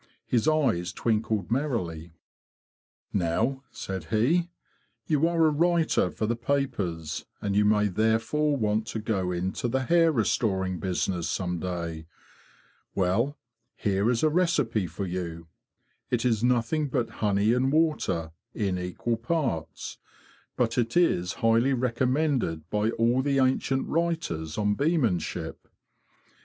His eyes twinkled merrily. "Now," said he, '' you are a writer for the papers, and you may therefore want to go into the hair restoring business some day. Well, here is a recipe for you. It is nothing but honey and water, in equal parts, but it is highly recommended by all the ancient writers on beemanship.